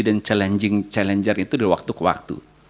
dan challenging challenger itu dari waktu ke waktu